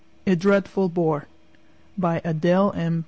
A DREADFUL BOAR By Adele M.